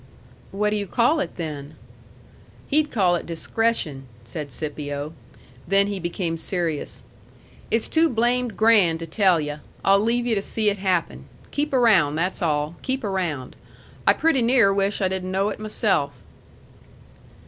"What do you call it, then?" "He'd call it discretion," said Scipio. Then he became serious. "It's too blamed grand to tell yu'. I'll leave yu' to see it happen. Keep around, that's all. Keep around. I pretty near wish I didn't know it myself."